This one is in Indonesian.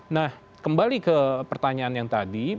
nah kembali ke pertanyaan yang tadi